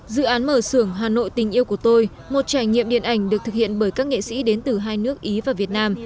dự án mở sưởng hà nội tình yêu của tôi một trải nghiệm điện ảnh được thực hiện bởi các nghệ sĩ đến từ hai nước ý và việt nam